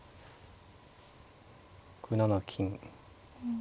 ６七金。